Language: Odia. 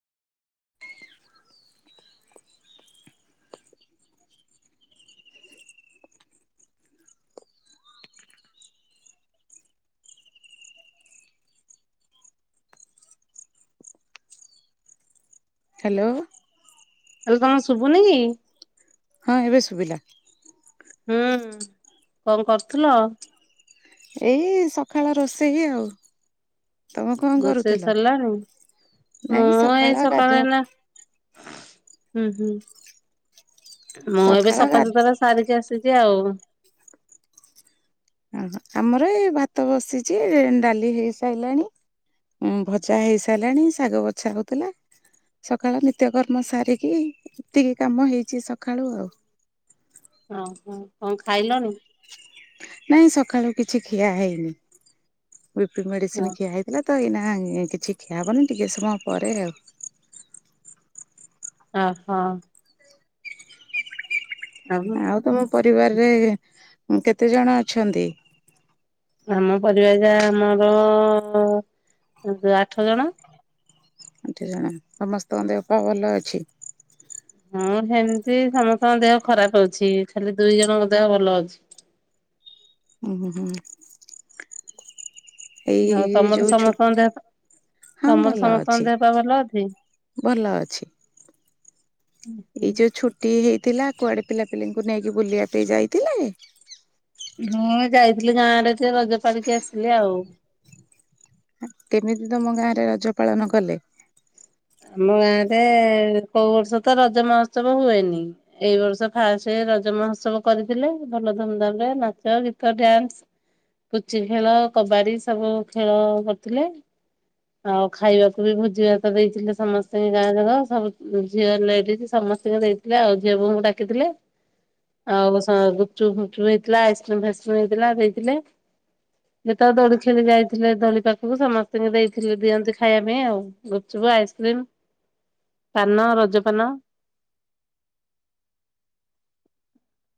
ହେଲୋ ହେଲୋ ତମକୁ ଶୁଭୁନି କି? ହଁ ଏବେ ଶୁଭିଲା ହୁଁ, କଣ କରୁଥିଲ? ଏଇ ସକାଳ ରୋଷେଇ ଆଉ ତମେ କଣ ରୋଷେଇ କରୁଥିଲ? ସରିଲାଣି ମୁଁ ନାଇଁ ସକାଳ ଏଇ ସକାଳେ ଗାଧୁଆ ନା ହୁଁ, ହୁଁ, ମୁଁ ଏବେ ସକାଳ ଗା ସଫାସତୁରା ସାରିଛିି ଆସିଛି ଆଉ ଓହୋ ଆମର ଏଇ ଭାତ ବସିଛି, ଡାଲି ହେଇସାରିଲାଣି ଉଁ ଭଜା ହେଇ ସାରିଲାଣି ଶାଗ ବଛା ହଉଥିଲା ସକାଳ ନିତ୍ୟକର୍ମ ସାରିକି ଏତିକି କାମ ହେଇଛି ସକାଳୁ ଆଉ। ହ ହ କଣ ଖାଇଲଣି? ନାଇଁ ସକାଳୁ କିଛି ଖିଆ ହେଇନି ବି ପି ହଁ ମେଡିସିନ ଖିଆ ହେଇ ହେଲେ ତ ଏଇନା କିଛି ଖିଆ ହେବନି ଟିକଏ ସମୟ ପରେ ଆଉ। ଅ, ହଁ। ଆଉ ତମ ପରିବାରରେ କେତେ ଜଣ ଅଛନ୍ତି? ଆମ ପରିବାର ରେ ଯା ଆମର ଆଠ ଜଣ। ଆଠ ଜଣ ସମସ୍ତଙ୍କ ଦେହ ପା ଭଲ ଅଛି? ହଁ, ସେମିତି ସମସ୍ତଙ୍କ ଦେହ ଖରାପ୍ ହଉଛି ଖାଲି ଦୁଇ ଜଣଙ୍କ ଦେହ ଭଲ ଅଛି। ଉହୁଁ, ହୁଁ ଆଉ ଏଇ ତମର ଯୋଉ ଛୁ ସମସ୍ତଙ୍କ ଦେହ ହଁ, ତମର ଭଲ ସମସ୍ତଙ୍କ ଅଛି, ଦେହ ପା ଭଲ ଅଛି? ଭଲ ଅଛି। ଏଇ ଯୋଉ ଛୁଟି ହେଇଥିଲା କୁଆଡେ ପିଲାପିଲାଙ୍କୁ ନେଇକି ବୁଲିବା ପାଇଁ ଯାଇଥିଲେ ହଁ ଯାଇଥିଲି ଗାଁ ଆଡେ ଜେ ରଜ ସାରିକି ଆସିଲି ଆଉ। କେମିତି ତମ ଗାଁରେ ରଜ ପାଳନ କଲେ? ଆମ ଗାଁ ରେ କୋଉ ବର୍ଷ ତ ରଜ ମହୋତ୍ସବ ହୁଏନି ଏଇ ବର୍ଷ ଫାଷ୍ଟ ରଜ ମହୋତ୍ସବ କରିଥିଲେ ଭଲ ଧୁମଧାମ ରେ ନାଚ, ଗୀତ, ଡ୍ୟାନ୍ସ ପୁଚି ଖେଳ କବାଡି ସବୁ ଖେଳ କରୁଥିଲେ ଆଉ ଖାଇବାକୁ ବି ଭୋଜିବା ତ ଦେଇ ଥିଲେ ସମସ୍ତଙ୍କ ଗାଁ ଯାକ ସବୁ ଝିଅ ଲେଡିଜ ସମସ୍ତଙ୍କୁ ଦେଇଥିଲେ ଆଉ ଝିଅ ବୋଉଙ୍କୁ ଡାକିଥିଲେ। ଆଉ ସ ଗୁପ୍ଚୁପ୍ ଫୁପଚୁପ୍ ହେଇଥିଲା ଆଇସ୍କ୍ରିମ୍ ଫାଇସ୍କ୍ରୀମ ହେଇଥିଲା ଦେଇଥିଲେ ଯେତବେଳେ ଦୋଳି ଖେଳି ଯାଇଥିଲେ ଦୋଳି ପାଖକୁ ସମସ୍ତଙ୍କୁ ଦେଇଥିଲେ ଦିଅନ୍ତି ଖାଇବା ପାଇଁ ଆଉ ଗୁପ୍ ଚୁପ୍, ଆଇସ୍କ୍ରିମ୍, ପାନ, ରଜ ପାନ